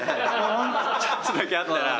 ちょっとだけあったら。